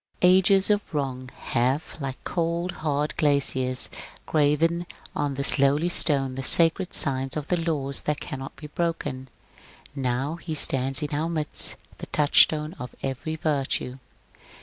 Ages of wrong have, like cold, hard glaciers, graven on this lowly stone the sacred signs of the laws that cannot be broken ; now he stands in our midst the touchstone of every virtue.